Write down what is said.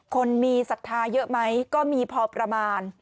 คนมีศรัทธาเยอะไหมก็มีพอประมาณ